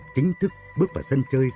chính thức bước vào sân chơi